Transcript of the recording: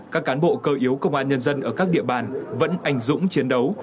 các cán bộ cơ yếu công an nhân dân ở các địa bàn vẫn ảnh dũng chiến đấu